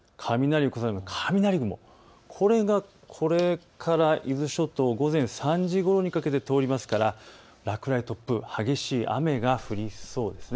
雷雲、これから伊豆諸島午前３時ごろにかけて通りますので落雷、突風、激しい雨が降りそうです。